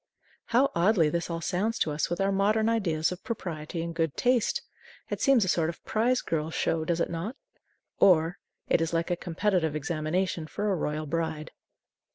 How oddly this all sounds to us with our modern ideas of propriety and good taste! It seems a sort of Prize Girl Show, does it not? Or, it is like a competitive examination for a royal bride.